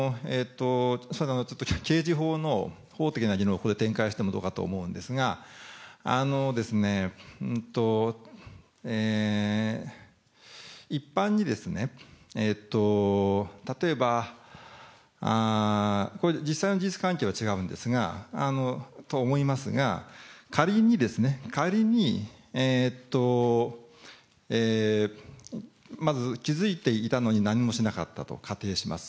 刑事法の法的なことをここで展開してもどうかと思うんですが、一般に例えば、実際の事実関係は違うんですが、と思いますが、仮にですね、仮に、まず気付いていたのに何もしなかったと仮定します。